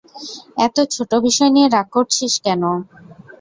এত ছোট বিষয় নিয়ে রাগ করছিস কেন?